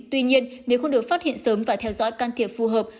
tuy nhiên nếu không được phát hiện sớm và theo dõi can thiệp phù hợp